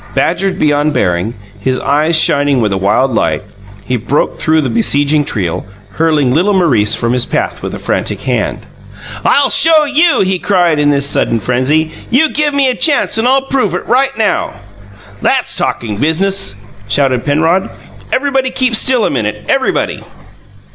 Badgered beyond bearing, his eyes shining with a wild light, he broke through the besieging trio, hurling little Maurice from his path with a frantic hand. "I'll show you!" he cried, in this sudden frenzy. "You give me a chance, and I'll prove it right NOW!" "That's talkin' business!" shouted Penrod. "Everybody keep still a minute. Everybody!"